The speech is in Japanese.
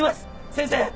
先生！